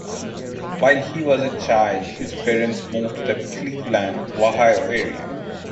While he was a child, his parents moved to the Cleveland, Ohio area.